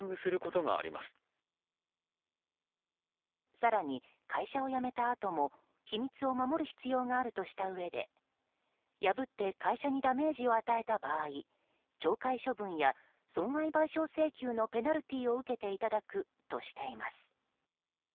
更に会社を辞めたあとも秘密を守る必要があるとしたうえで破って、会社にダメージを与えた場合懲戒処分や損害賠償請求のペナルティーを受けていただくとしています。